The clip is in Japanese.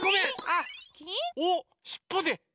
あっおしっぽで！